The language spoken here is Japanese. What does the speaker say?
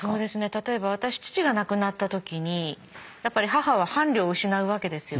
例えば私父が亡くなった時にやっぱり母は伴侶を失うわけですよね。